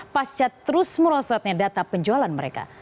pasca terus merosotnya data penjualan mereka